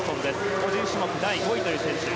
個人種目で第５位という選手。